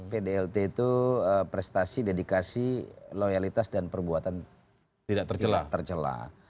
pdlt itu prestasi dedikasi loyalitas dan perbuatan tidak tercelah